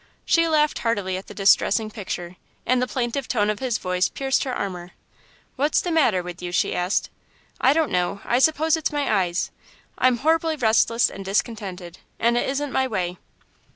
She laughed heartily at the distressing picture, and the plaintive tone of his voice pierced her armour. "What's the matter with you?" she asked. "I don't know I suppose it's my eyes. I'm horribly restless and discontented, and it isn't my way."